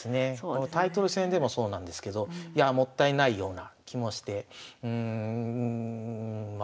タイトル戦でもそうなんですけどいやあもったいないような気もしてま